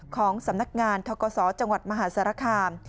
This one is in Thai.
ของสำนักงานทกศจังหวัดมหาสารคาม